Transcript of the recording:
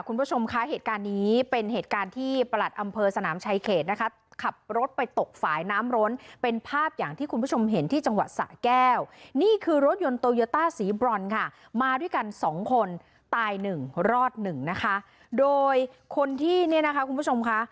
คุณผู้ชมคะเหตุการณ์นี้เป็นเหตุการณ์ที่ประหลัดอำเภอสนามชายเขตค่ะ